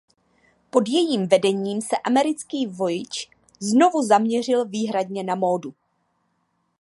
Pod jejím vedením se americký Vogue znovu zaměřil výhradně na módu.